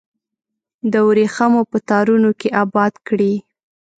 د وریښمو په تارونو کې اباد کړي